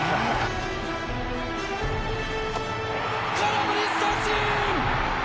空振り三振！